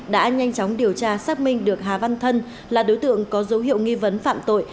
đã nhanh chóng điều tra xác minh được hà văn thân là đối tượng có dấu hiệu nghi vấn phạm tội